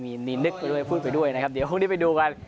มีนึกไปด้วยพูดไปด้วยนะครับเดี๋ยวพรุ่งนี้ไปดูกัน